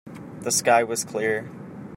The sky was clear.